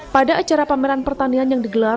pada acara pameran pertanian yang digelar